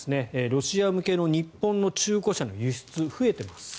ロシア向けの日本の中古車の輸出増えています。